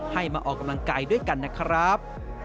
มาออกกำลังกายด้วยกันนะครับ